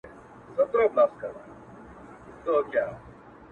څنگه دې پر مخ د دنيا نم راغلی!